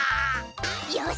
よし！